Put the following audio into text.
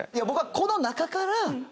僕はこの中から。